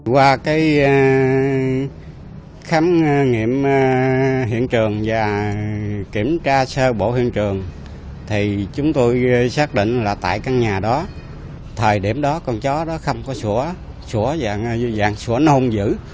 qua cái khám nghiệm hiện trường và kiểm tra sơ bộ hiện trường thì chúng tôi xác định là tại căn nhà đó thời điểm đó con chó đó không có sủa sủa dạng sủa nôn dữ